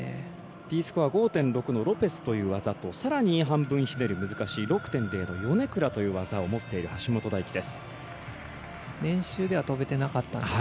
Ｄスコア６．５のロペスという技と更に、半分ひねり６．０のヨネクラという技を持っている橋本大輝です。